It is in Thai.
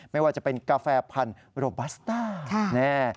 ไม่ว่าจะเป็นกาแฟพันธุ์โรบัสต้าแน่